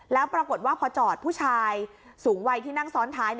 แล้วปรากฏว่าพอจอดผู้ชายสูงวัยที่นั่งซ้อนท้าย